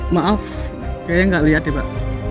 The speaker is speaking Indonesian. maaf kayaknya nggak liat ya pak